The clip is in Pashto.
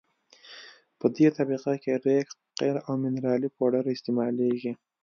په دې طبقه کې ریګ قیر او منرالي پوډر استعمالیږي